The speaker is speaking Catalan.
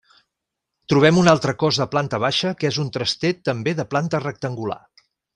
Trobem un altre cos de planta baixa que és un traster també de planta rectangular.